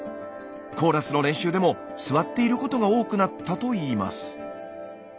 コーラスの練習でも座っていることが多くなったといいます。